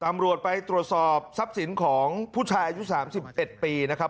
ตำรวจไปตรวจสอบทรัพย์สินของผู้ชายอายุ๓๑ปีนะครับ